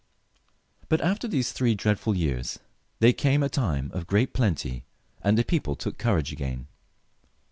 But after these three dreadful years there came a time of great plenty, and the people took courage again.